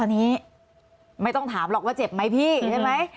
ตอนนี้ไม่ต้องถามหรอกว่าเจ็บไหมพี่ใช่ไหม